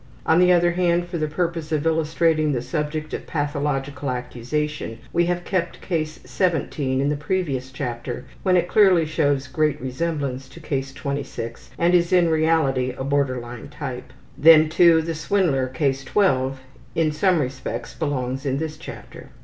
On the other hand, for the purpose of illustrating the subject of pathological accusation we have kept Case 17 in the previous chapter when it clearly shows great resemblance to Case 26 and is in reality a border line type. Then, too, the swindler, Case 12, in some respects belongs in this chapter.